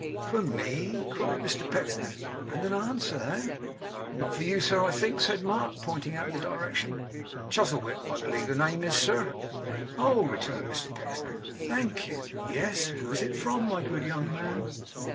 'For me?' cried Mr Pecksniff. 'And an answer, eh?' 'Not for you, I think, sir,' said Mark, pointing out the direction. 'Chuzzlewit, I believe the name is, sir.' 'Oh!' returned Mr Pecksniff. 'Thank you. Yes. Who's it from, my good young man?